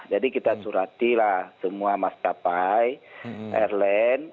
jadi kita suratilah semua mastapai airline